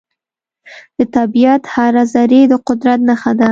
د طبیعت هره ذرې د قدرت نښه ده.